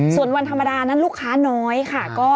ส่วนวันธรรมดานั้นลูกค้าน้อยค่ะ